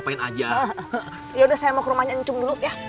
ya udah saya mau ke rumahnya nyuncung dulu ya